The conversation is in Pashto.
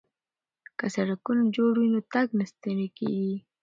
که سړکونه جوړ وي نو تګ نه ستیږي.